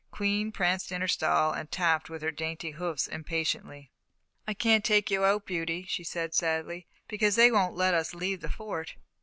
Queen pranced in her stall and tapped with her dainty hoofs impatiently. "I can't take you out, Beauty," she said sadly, "because they won't let us leave the Fort."